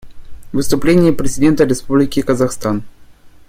Выступление президента Республики Казахстан.